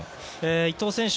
伊東選手